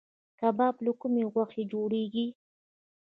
کباب له کومې غوښې جوړیږي؟